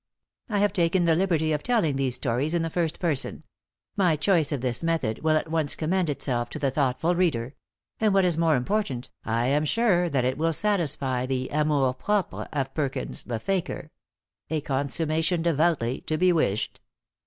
I have taken the liberty of telling these stories in the first person. My choice of this method will at once commend itself to the thoughtful reader; and, what is more important, I am sure that it will satisfy the amour propre of Perkins, the Fakeer a consummation devoutly to be wished.